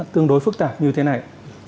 tương đối phức tạp như thế này